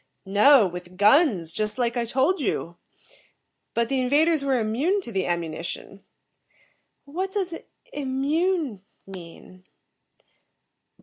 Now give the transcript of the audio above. "No, with guns, just like I told you. But the invaders were immune to the ammunition." "What does 'immune' mean?"